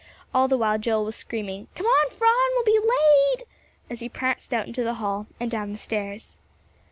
All the while Joel was screaming, "Come on, Phron, we'll be late," as he pranced out into the hall and down the stairs.